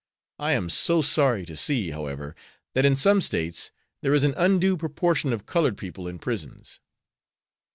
I am so sorry to see, however, that in some States there is an undue proportion of colored people in prisons."